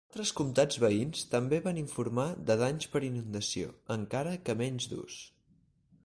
Altres comtats veïns també van informar de danys per inundació, encara que menys durs.